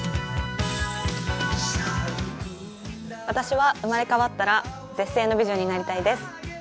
私は生まれ変わったら絶世の美女になりたいです。